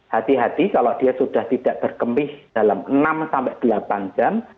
hati hati kalau dia sudah tidak berkemih dalam enam sampai delapan jam